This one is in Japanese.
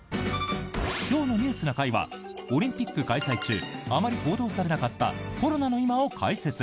今日のニュースな会はオリンピック開催中あまり報道されなかったコロナの今を解説！